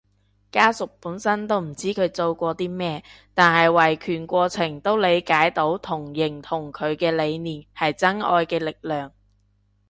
家屬本身唔知佢做過啲咩，但喺維權過程都理解到同認同佢嘅理念，係真愛嘅力量